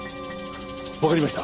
わかりました。